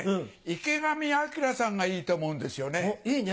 池上彰さんがいいと思うんですよね。